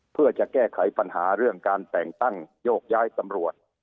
เพื่อจะแก้ไขปัญหาเรื่องการแต่งตั้งโยกย้ายตำรวจ